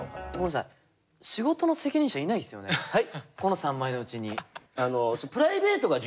この３枚のうちに。